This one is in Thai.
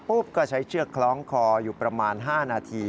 ก็ใช้เชือกคล้องคออยู่ประมาณ๕นาที